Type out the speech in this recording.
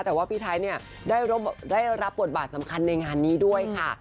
แต่ว่าพี่ไทยเนี่ยได้รับบทบาทสำคัญในงานนี้ด้วยค่ะ